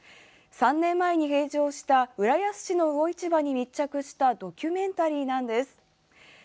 ３年前に閉場した浦安市の魚市場に密着したドキュメンタリーなんです。